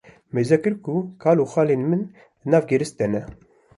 mêze kir ku kal û xalên min di nav gêris de ne